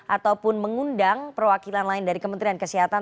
ataupun mengundang perwakilan lain dari kementerian kesehatan